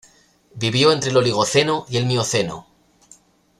Vivió entre el Oligoceno y el Mioceno.